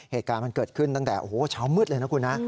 เหตุการณ์มันเกิดขึ้นตั้งแต่เช้ามืดเลยนะคุณนะ